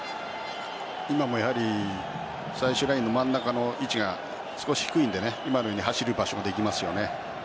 今も最終ラインの真ん中の位置が少し低いので今のように走る場所ができますよね。